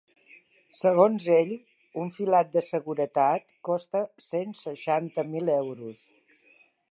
Segons ell, un filat de seguretat costa cent seixanta mil euros.